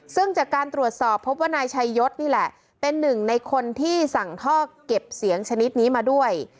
ซึ่งจากการตรวจสอบพบว่านายชัยยศนี่แหละเป็นหนึ่งในคนที่สั่งท่อเก็บเสียงชนิดนี้มาด้วย